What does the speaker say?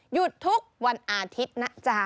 หยุดทุกวันอาทิตย์นะจ๊ะ